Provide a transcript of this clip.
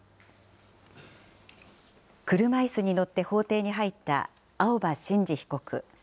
車いすに乗って法廷に入った青葉真司被告。